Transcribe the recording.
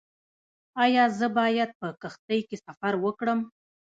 ایا زه باید په کښتۍ کې سفر وکړم؟